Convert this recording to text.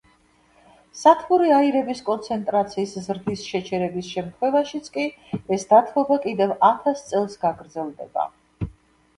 სათბური აირების კონცენტრაციის ზრდის შეჩერების შემთხვევაშიც კი ეს დათბობა კიდევ ათას წელს გაგრძელდება.